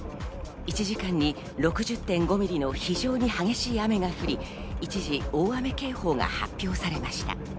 １時間に６０．５ミリの非常に激しい雨が降り、一時、大雨警報が発表されました。